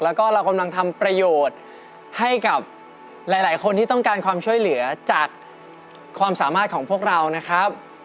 แล้วก็เรากำลังทำประโยชน์ให้กับหลายคนที่ต้องการความช่วยเหลือจากความสามารถของพวกเรานะครับ